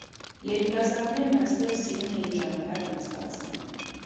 Երիտասարդներն այստեղ սիրում էին ժամանակ անցկացնել։